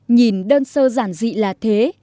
nhìn đơn sơ giản dị là thế